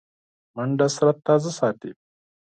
منډه بدن تازه ساتي